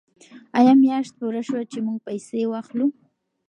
آیا میاشت پوره شوه چې موږ پیسې واخلو؟